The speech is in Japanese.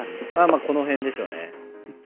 まあこの辺でしょうね。